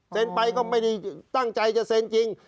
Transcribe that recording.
ไปก็ไม่ได้ตั้งใจจะเซ็นจริง